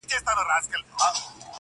خو هيڅ نه سي ويلای تل,